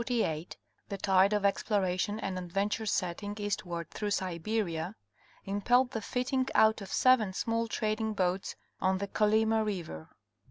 In 1648 the tide of exploration and adventure setting eastward through Siberia, impelled the fitting out of seven small trading boats on the Kolymariver.